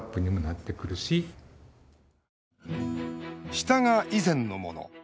下が以前のもの。